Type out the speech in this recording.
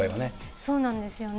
そうなんですよね。